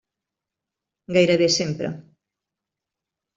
Gairebé sempre.